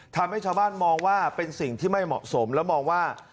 ทำให้ชาวบ้านมองว่าเป็นสิ่งที่ไม่เหมาะสมและมองว่า